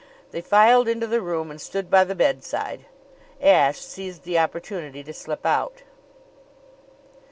They filed into the room and stood by the bedside. Ashe seized the opportunity to slip out.